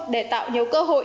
để tạo nhiều cơ hội